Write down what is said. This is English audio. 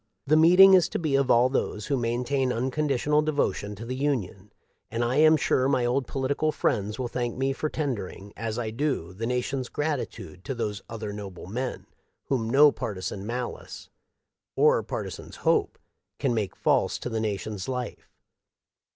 "The meeting is to be of all those who maintain unconditional devotion to the Union ; and I am sure my old political friends will thank me for tendering, as I do, the nation's gratitude to those other noble men, whom no partisan malice, or par tisan's hope, can make false to the nation's life.